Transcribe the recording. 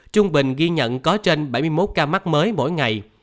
trung bình ghi nhận có trên bảy mươi một ca